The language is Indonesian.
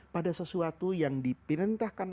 pada sesuatu yang dipinitahkan